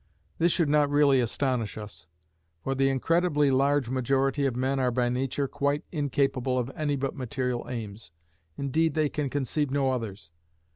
This should not really astonish us; for the incredibly large majority of men are by nature quite incapable of any but material aims, indeed they can conceive no others.